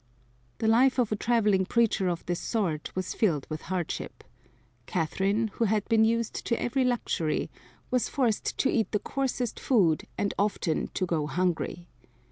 The life of a traveling preacher of this sort was filled with hardship. Catherine, who had been used to every luxury, was forced to eat the coarsest food and often to go hungry.